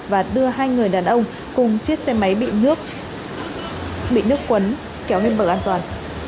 và đưa hai người đàn ông cùng chiếc xe máy bị nước cuốn kéo lên bờ an toàn